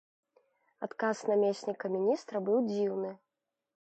Адказ намесніка міністра быў дзіўны.